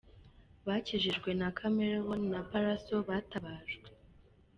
Bakijijwe na Chameleone na Pallaso batabajwe.